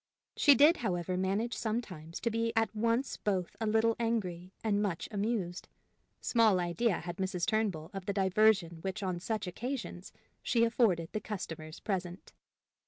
She did, however, manage sometimes to be at once both a little angry and much amused. Small idea had Mrs. Turnbull of the diversion which on such occasions she afforded the customers present.